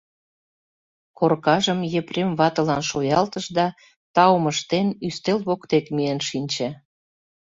Коркажым Епрем ватылан шуялтыш да, таум ыштен, ӱстел воктек миен шинче.